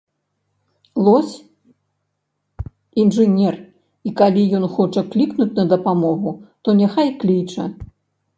Лось інжынер, і калі ён хоча клікнуць на дапамогу, то няхай кліча.